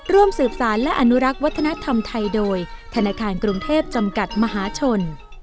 ร่วมสืบสารและอนุรักษ์วัฒนธรรมไทยโดยธนาคารกรุงเทพจำกัดมหาชน